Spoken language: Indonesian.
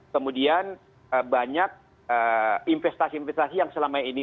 kemudian banyak investasi investasi yang selama ini